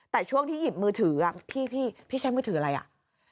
แต่ช่วงที่หยิบมือถือพี่พี่ใช้มือถืออะไรอ่ะ